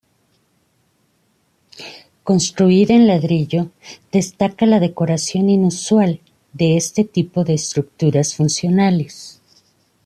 Construida en ladrillo, destaca la decoración inusual de este tipo de estructuras funcionales.